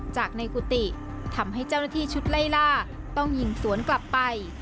จากในกุฏิทำให้เจ้าหน้าที่ชุดไล่ล่าต้องยิงสวนกลับไป